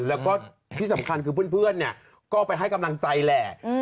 แล้วก็ที่สำคัญคือเพื่อนเนี่ยก็ไปให้กำลังใจแหละ